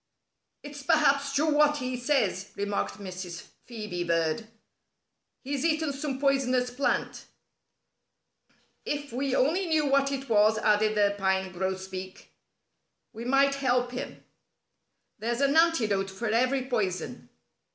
"It's perhaps true what he says," remarked Mrs. Phœbe Bird. "He's eaten some poisonous plant." "If we only knew what it was," added the Pine Grosbeak, "we might help him. There's an antidote for every poison."